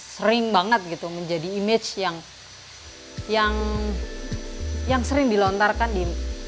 sering banget gitu menjadi image yang sering dilontarkan di umum di masyarakat umum